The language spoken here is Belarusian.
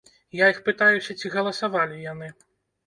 Я іх пытаюся, ці галасавалі яны?